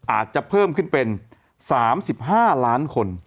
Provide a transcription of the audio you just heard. อาจจะเพิ่มขึ้นเป็น๓๕ล้านคน